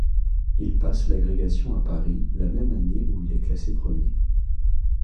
Il passe l’agrégation à Paris la même année où il est classé premier.